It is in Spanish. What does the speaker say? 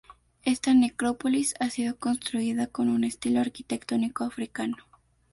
Esta necrópolis ha sido construida con un estilo arquitectónico africano.